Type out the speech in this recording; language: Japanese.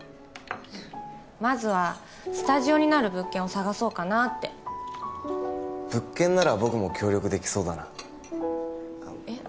まずはスタジオになる物件を探そうかなって物件なら僕も協力できそうだなえっ？